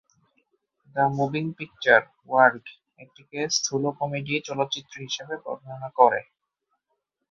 The moving picture world এটিকে স্থুল comedy চলচ্চিত্র হিসেবে বর্ণনা করে।